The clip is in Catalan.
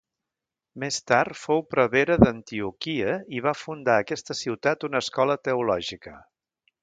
Més tard fou prevere d'Antioquia i va fundar a aquesta ciutat una escola teològica.